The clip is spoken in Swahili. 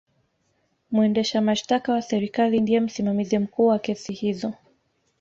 mwendesha mashtaka wa serikali ndiye msimamizi mkuu wa kesi hizo